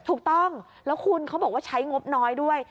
ถูกต้องแล้วคุณเขาบอกว่าใช้งบน้อยด้วย